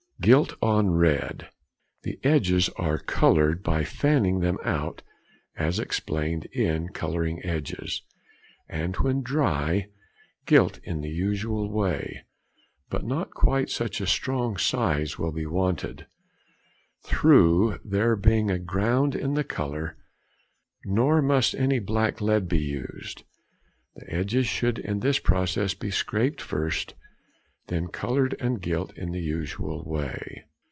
Gilt on Red.—The edges are coloured by fanning them out as explained in colouring edges, and when dry, gilt in the usual way; not quite such a strong size will be wanted, through there being a ground in the colour; nor must any black lead be used. The edges should in this process be scraped first, then coloured and gilt in the usual way.